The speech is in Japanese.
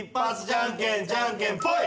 じゃんけんじゃんけんぽん！